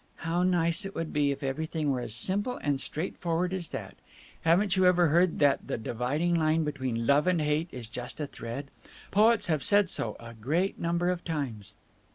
"How nice it would be if everything were as simple and straightforward as that. Haven't you ever heard that the dividing line between love and hate is just a thread? Poets have said so a great number of times."